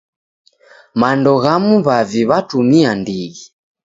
Mando ghamu w'avi w'atumia ndighi.